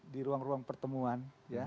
di ruang ruang pertemuan